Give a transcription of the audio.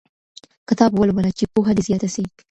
کتاب ولوله چي پوهه دې زیاته سي.